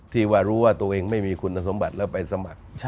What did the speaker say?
ที่ว่ารู้ว่าตัวเองไม่มีคุณสมบัติแล้วไปสมัคร